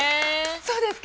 そうですか？